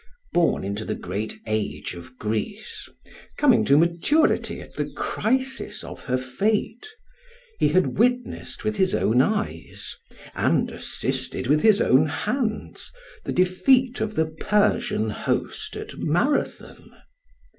Born into the great age of Greece, coming to maturity at the crisis of her fate, he had witnessed with his own eyes, and assisted with his own hands the defeat of the Persian host at Marathon.